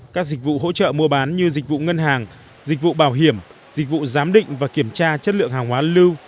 các dịch vụ hỗ trợ mua bán như dịch vụ ngân hàng dịch vụ bảo hiểm dịch vụ giám định và kiểm tra chất lượng hàng hóa lưu